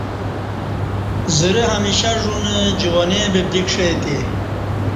زرہ ہمیشہ ژ ونہ جوانی ببدی کݜے تہ